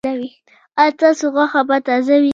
ایا ستاسو غوښه به تازه وي؟